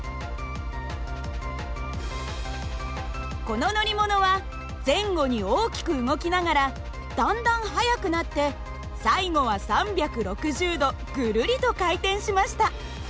この乗り物は前後に大きく動きながらだんだん速くなって最後は３６０度ぐるりと回転しました。